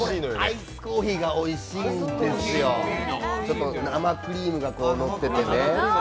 アイスコーヒーがおいしいんですよ、生クリームがのっててね。